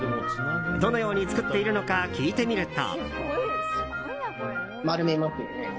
どのように作っているのか聞いてみると。